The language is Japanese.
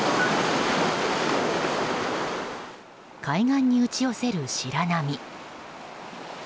海岸に打ち寄せる白波。